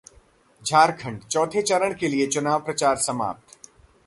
झारखंड: चौथे चरण के लिए चुनाव प्रचार समाप्त